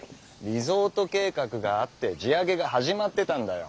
リゾート計画があって地上げが始まってたんだよ。